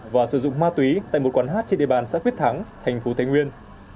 và sử dụng ma túy tại một quán hát trên địa bàn xã quyết thắng tp thái nguyên